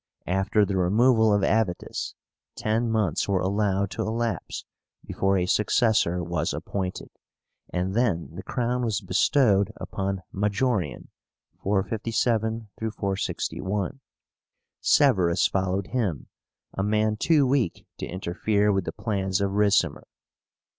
After the removal of Avítus, ten months were allowed to elapse before a successor was appointed; and then the crown was bestowed upon MAJORIAN (457 461). SEVÉRUS followed him, a man too weak to interfere with the plans of Ricimer.